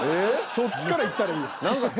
そっちから行ったらいいやん。